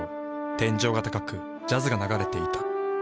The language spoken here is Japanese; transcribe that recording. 天井が高くジャズが流れていた。